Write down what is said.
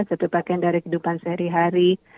satu bagian dari kehidupan sehari hari